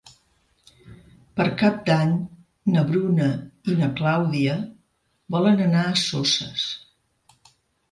Per Cap d'Any na Bruna i na Clàudia volen anar a Soses.